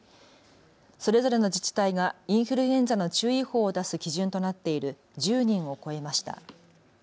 それぞれの自治体がインフルエンザの注意報を出す基準となっている１０人を超えました。